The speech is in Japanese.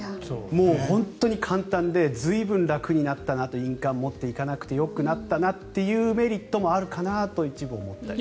本当に簡単で随分楽になったなと印鑑を持っていかなくてよくなったなというメリットもあるかなと一部、思ったり。